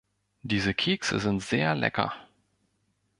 Diese Kekse sind sehr lecker!